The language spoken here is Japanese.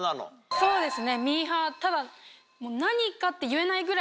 そうですね。